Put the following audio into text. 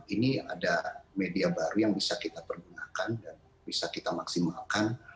ini ada media baru yang bisa kita pergunakan dan bisa kita maksimalkan